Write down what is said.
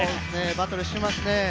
バトルしてますね。